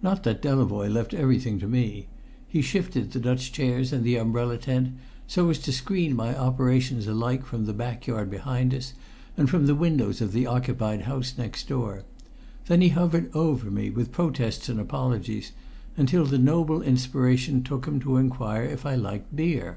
Not that Delavoye left everything to me; he shifted the Dutch chairs and the umbrella tent so as to screen my operations alike from the backyard behind us and from the windows of the occupied house next door. Then he hovered over me, with protests and apologies, until the noble inspiration took him to inquire if I liked beer.